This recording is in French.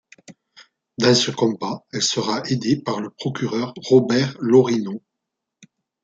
Dans ce combat elle sera aidée par le procureur Robert Laurino.